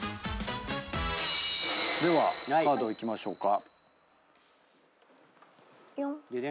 ではカードいきましょうか。